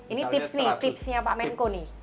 ini tips nih tipsnya pak menko nih